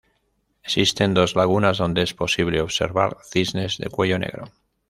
Existen dos lagunas donde es posible observar cisnes de cuello negro.